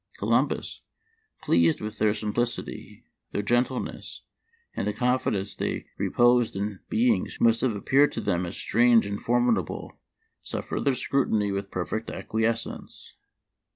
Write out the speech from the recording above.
Columbus, pleased with their simplicity, their gentleness, and the confidence they reposed in beings who must have appeared to them so strange and formidable, suffered their scrutiny with perfect acquiescence.